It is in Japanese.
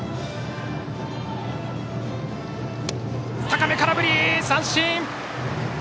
高め、空振り三振！